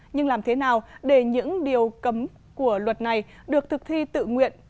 nhưng làm thế nào để những điều cấm của luật này được thực thi tự nguyện